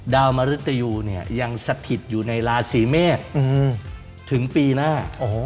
ดาวมริตยูยังสถิตย์อยู่ในราศีเมฆถึงปีหน้า